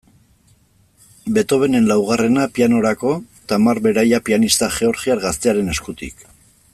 Beethovenen laugarrena, pianorako, Tamar Beraia pianista georgiar gaztearen eskutik.